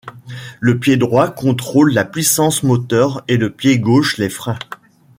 Le pied droit contrôle la puissance moteur et le pied gauche les freins.